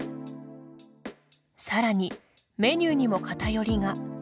さらに、メニューにも偏りが。